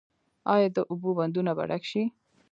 آیا د اوبو بندونه به ډک شي؟